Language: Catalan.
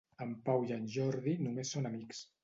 En Pau i en Jordi només són amics.